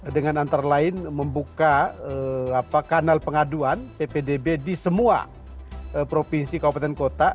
dengan antara lain membuka kanal pengaduan ppdb di semua provinsi kabupaten kota